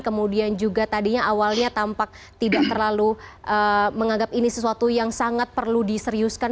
kemudian juga tadinya awalnya tampak tidak terlalu menganggap ini sesuatu yang sangat perlu diseriuskan